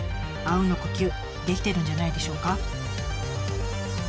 あうんの呼吸できてるんじゃないでしょうか？